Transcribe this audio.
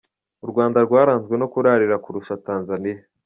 U Rwanda rwaranzwe no kurarira kurusha Tanzania.